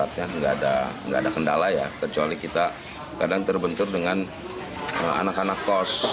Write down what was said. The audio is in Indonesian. tidak ada kendala ya kecuali kita kadang terbentur dengan anak anak kos